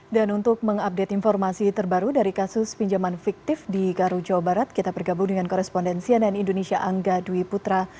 dan untuk mengupdate informasi terbaru dari kasus pinjaman fiktif di garu jawa barat kita bergabung dengan korespondensi dan indonesia angga dwi putra